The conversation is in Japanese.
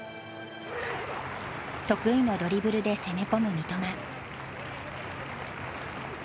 得意のドリブルで攻め込む三笘。